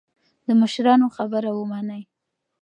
د مشرانو خبره ومنئ.